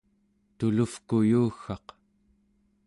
tuluvkuyuggaq